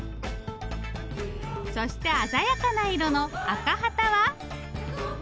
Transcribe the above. そして鮮やかな色のアカハタは。